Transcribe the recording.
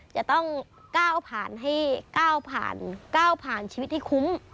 จะต้องก้าวผ่านให้ก้าวผ่านชีวิตให้คุ้ม